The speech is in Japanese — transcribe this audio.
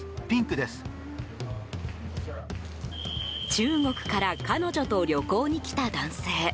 中国から彼女と旅行に来た男性。